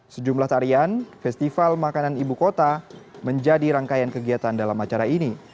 sejumlah tarian festival makanan ibu kota menjadi rangkaian kegiatan dalam acara ini